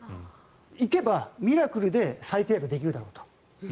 行けばミラクルで再契約できるだろうと。